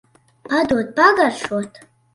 Padod pagaršot.